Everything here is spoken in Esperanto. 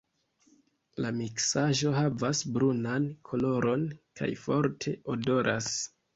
La miksaĵo havas brunan koloron kaj forte odoras.